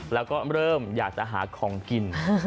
แล้วก็เริ่มอยากจะหาของกิน